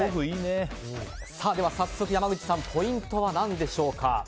早速、山口さんポイントは何でしょうか。